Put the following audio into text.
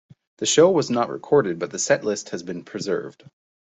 The show was not recorded but the set list has been preserved.